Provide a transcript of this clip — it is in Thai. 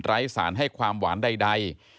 สารให้ความหวานใด